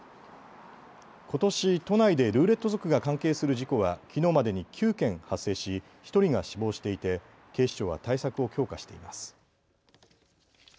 ことし都内でルーレット族が関係する事故はきのうまでに９件発生し、１人が死亡していて警視庁は対策を強化しています。